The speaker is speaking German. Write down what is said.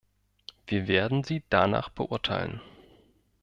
Wir werden Sie danach beurteilen.